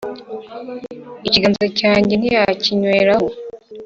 Ikiganza cyanjye ntiyakinyweraho